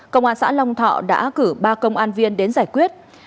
công an xã long thọ đã cử ba công an viên đến giải quyết